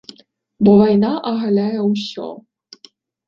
Бо вайна агаляе ўсё.